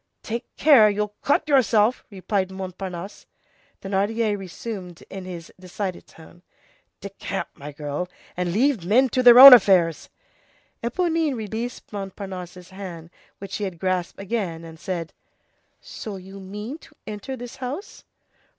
"Take care, you'll cut yourself," replied Montparnasse. Thénardier resumed in his decided tone:— "Decamp, my girl, and leave men to their own affairs!" Éponine released Montparnasse's hand, which she had grasped again, and said:— "So you mean to enter this house?"